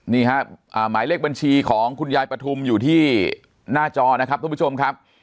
นี่ครับหมายเลขบัญชีของคุณยายปฐุมอยู่ที่หน้าจอนะครับทุกผู้ชมครับ